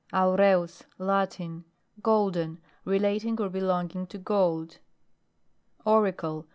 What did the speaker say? AUREUS. Latin. Golden. Relating or belonging to gold. AURICLE.